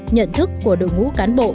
nhận thức của đội ngũ cán bộ